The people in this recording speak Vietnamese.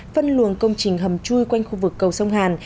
phân luồng công trình hầm chui quanh khu vực cầu sông hàn